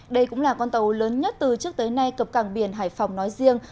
đây cũng là con tàu lớn nhất từ trước tới nay cập cảng biển hải phòng nói riêng